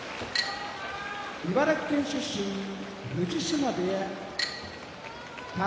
茨城県出身藤島部屋宝